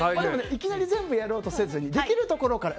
いきなり全部やろうとせずにできるところから。